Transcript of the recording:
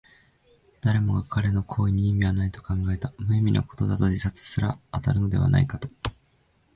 誰もが彼の行為に意味はないと考えた。無意味なことだと、自殺にすら当たるのではないかと。